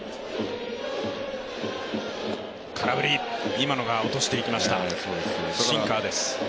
今のが落としていきました、シンカーです。